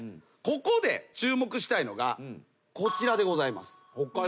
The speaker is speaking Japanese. ここで注目したいのがこちらでございます。